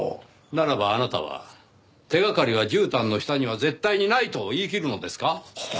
ならばあなたは手掛かりは絨毯の下には絶対にないと言いきるのですか？